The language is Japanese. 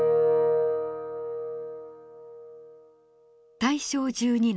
大正１２年。